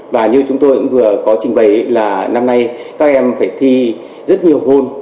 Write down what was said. và như chúng tôi cũng vừa có trình bày là năm nay các em phải thi rất nhiều môn